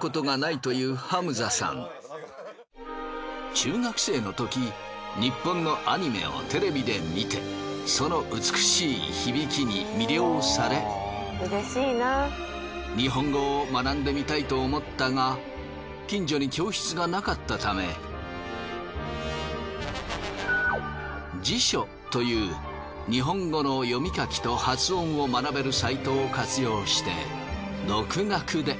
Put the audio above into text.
中学生の時ニッポンのアニメをテレビで見てその美しい響きに魅了され日本語を学んでみたいと思ったが近所に教室がなかったためジショという日本語の読み書きと発音を学べるサイトを活用して独学で。